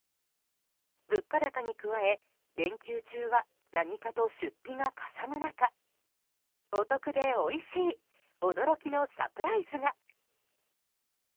物価高に加え連休中は何かと出費がかさむ中お得でおいしい驚きのサプライズが。